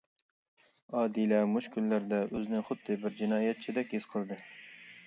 ئادىلە مۇشۇ كۈنلەردە ئۆزىنى خۇددى بىر جىنايەتچىدەك ھېس قىلدى.